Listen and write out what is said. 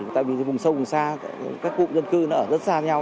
tại vì vùng sâu vùng xa các cụm dân cư nó ở rất xa nhau